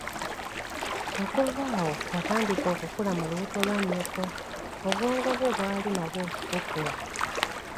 Okuva awo watandika okukula mu lubuto lwa nnyoko, obwongo bwo bwali nabwo bukula.